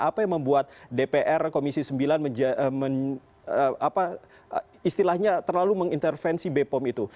apa yang membuat dpr komisi sembilan menjauh apa istilahnya terlalu mengintervensi bpom itu